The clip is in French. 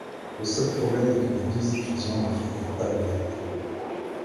Le seul problème est que les deux étudiants ne fréquentent pas le même milieu.